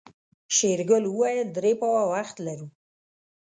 شېرګل وويل درې پاوه وخت لرو.